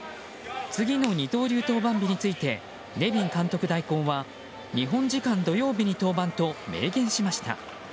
次の二刀流登板日についてネビン監督代行は日本時間土曜日に登板と明言しました。